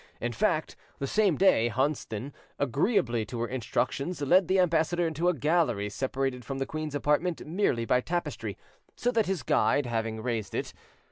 In fact, the same day, Hunsdon, agreeably to her instructions, led the ambassador into a gallery separated from the queen's apartment merely by tapestry, so that his guide having raised it.